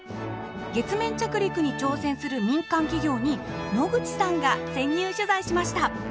月面着陸に挑戦する民間企業に野口さんが潜入取材しました。